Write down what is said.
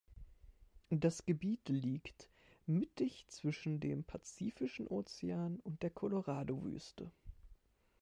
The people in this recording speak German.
Das Gebiet liegt mittig zwischen dem Pazifischen Ozean und der Colorado-Wüste.